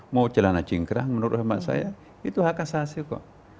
mau celana cingkrang menurut hemat saya itu hak asasi kok